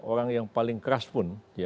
orang yang paling keras pun